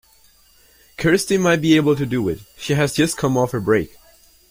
Kirsty might be able to do it; she has just come off her break.